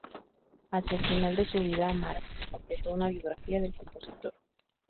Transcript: Hacia el final de su vida, Marx completó una biografía del compositor.